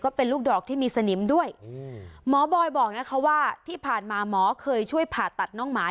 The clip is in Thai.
เป็นลูกดอกที่มีสนิมด้วยหมอบอยบอกนะคะว่าที่ผ่านมาหมอเคยช่วยผ่าตัดน้องหมา